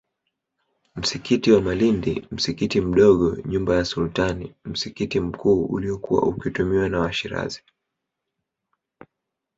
Msikiti wa Malindi msikiti mdogo nyumba ya Sultani msikiti mkuu uliokuwa ukitumiwa na Washirazi